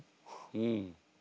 うん。